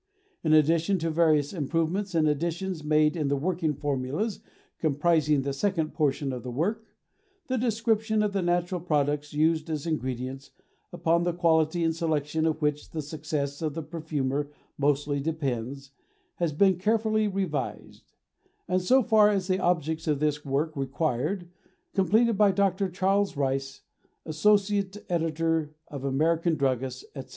In addition to various improvements and additions made in the working formulas comprising the second portion of the work, the description of the natural products used as ingredients, upon the quality and selection of which the success of the perfumer mostly depends, has been carefully revised, and so far as the objects of this work required, completed by Dr. Charles Rice, Associate Editor of American Druggist, etc.